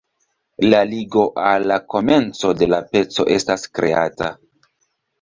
La ligo al la komenco de la peco estas kreata.